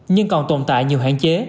nhưng còn tồn tại nhiều hạn chế